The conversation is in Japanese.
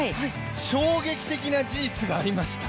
衝撃的な事実がありました。